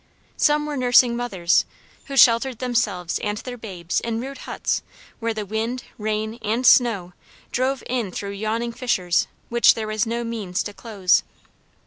Some were nursing mothers, who sheltered themselves and their babes in rude huts where the wind, rain, and snow drove in through yawning fissures which there were no means to close.